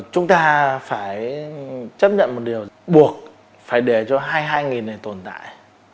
chúng ta phải chấp nhận một điều buộc phải để cho hai mươi hai này tồn tại